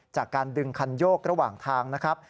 จากการดึงคันโยกระหว่างทางนะครับ